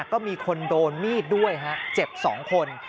ก็มีคนโดนมีดด้วยฮะเจ็บ๒คน